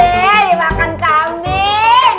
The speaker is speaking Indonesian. eh dia makan kambing